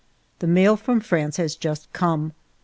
The mail from France has just come.